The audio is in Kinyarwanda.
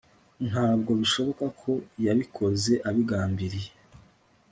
Ntabwo bishoboka ko yabikoze abigambiriye